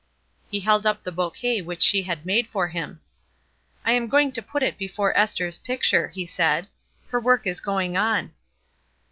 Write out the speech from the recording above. He held up the bouquet which she had made for him. "I am going to put it before Ester's picture," he said; "her work is going on."